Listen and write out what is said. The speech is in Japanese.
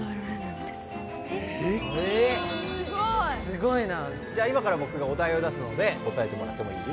すごい。じゃあ今からぼくがお題を出すので答えてもらってもいい？